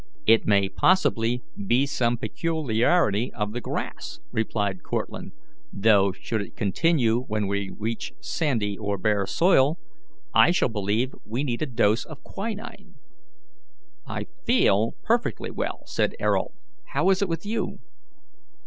"It may possibly be some peculiarity of the grass," replied Cortlandt, "though, should it continue when we reach sandy or bare soil, I shall believe we need a dose of quinine." "I FEEL perfectly well," said Ayrault; "how is it with you?"